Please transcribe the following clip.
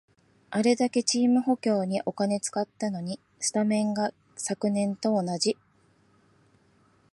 あれだけチーム補強にお金使ったのに、スタメンが昨年と同じ